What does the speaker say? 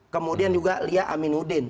kemudian juga lia aminuddin